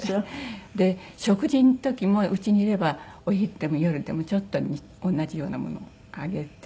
で食事の時もうちにいればお昼でも夜でもちょっと同じようなものをあげて。